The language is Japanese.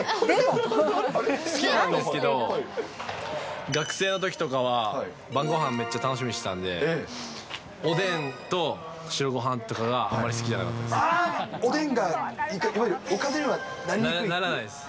好きなんですけど、学生のときとかは、晩ごはんめっちゃ楽しみにしてたんで、おでんと白ごはんとかがあまり好きじゃなかったです。